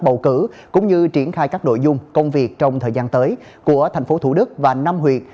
bầu cử cũng như triển khai các đội dung công việc trong thời gian tới của tp thủ đức và năm huyện